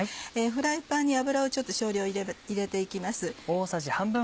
フライパンに油を少量入れて行きます。